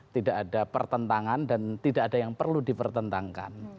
tidak ada pertentangan dan tidak ada yang perlu dipertentangkan